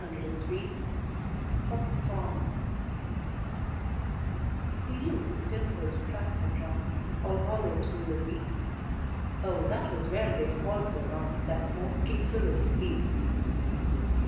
COLLIER (Adapted) PUCK'S SONG See you the dimpled track that runs, All hollow through the wheat? O that was where they hauled the guns That smote King Philip's fleet.